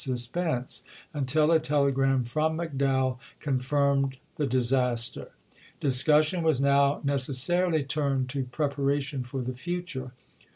^ suspense, until a telegi*am from McDowell con II., p. 316." firmed the disaster. Discussion was now neces sarily turned to preparation for the future.